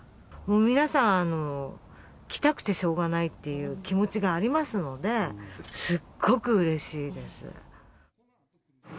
皆さん、来たくてしょうがいないっていう気持ちがありますので、すっごくうれしいです。